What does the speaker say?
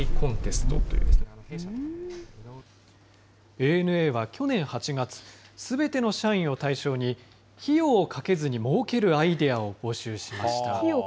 ＡＮＡは去年８月、すべての社員を対象に、費用をかけずにもうけるアイデアを募集しました。